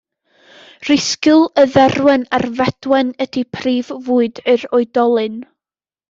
Rhisgl y dderwen a'r fedwen ydy prif fwyd yr oedolyn.